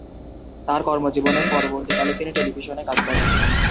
তার কর্মজীবনের পরবর্তীকালে তিনি টেলিভিশনে কাজ করেন।